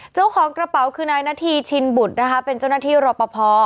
เจ้าของกระเป๋าคือนายนาธีชินบุตรนะคะเป็นเจ้าหน้าที่รอปภ